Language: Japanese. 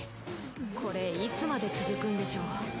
これいつまで続くんでしょう。